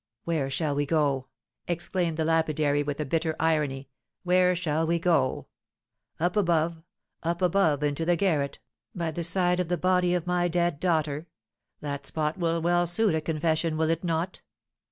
"Where shall we go," exclaimed the lapidary, with a bitter irony, "where shall we go? Up above, up above, into the garret, by the side of the body of my dead daughter; that spot will well suit a confession, will it not?